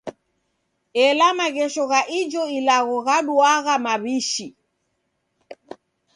Ela maghesho gha ijo ilagho giduaghai maw'ishi.